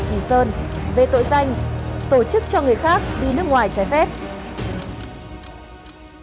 kỳ sơn về tội danh tổ chức cho người khác đi nước ngoài trái phép